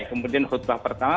kemudian khutbah pertama